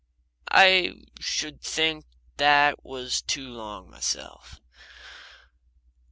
I should think that was too long myself.